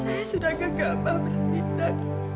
saya sudah gagal mbak berpindah